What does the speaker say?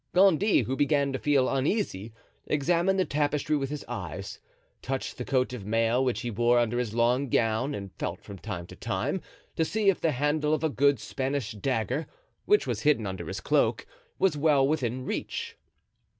Gondy, who began to feel uneasy, examined the tapestry with his eyes, touched the coat of mail which he wore under his long gown and felt from time to time to see if the handle of a good Spanish dagger, which was hidden under his cloak, was well within reach.